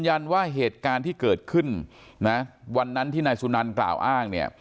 ว่าเหตุการณ์ที่เกิดขึ้นนะวันนั้นที่นายสุนันกล่าวอ้างเนี่ย